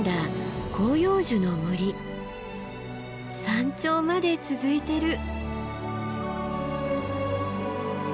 山頂まで続いてる。